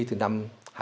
từ năm hai nghìn bốn